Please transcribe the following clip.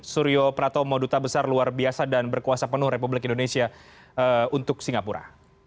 suryo pratomo duta besar luar biasa dan berkuasa penuh republik indonesia untuk singapura